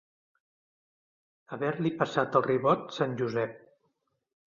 Haver-li passat el ribot sant Josep.